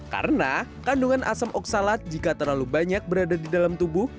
karena kandungan asam oksalat jika terlalu banyak berada di dalam tubuh